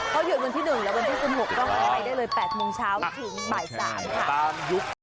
เขาหยุดวันที่๑และวันที่๑๖ก็แวะไปได้เลย๘โมงเช้าถึงบ่าย๓ค่ะ